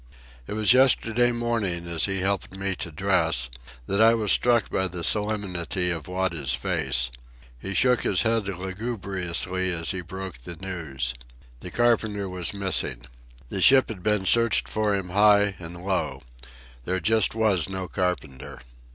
It was yesterday morning, as he helped me to dress, that I was struck by the solemnity of Wada's face. He shook his head lugubriously as he broke the news. The carpenter was missing. The ship had been searched for him high and low. There just was no carpenter.